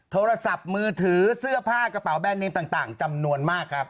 โทรศัพท์มือถือเสื้อผ้ากระเป๋าแบรนเนมต่างจำนวนมากครับ